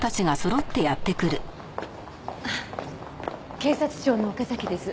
警察庁の岡崎です。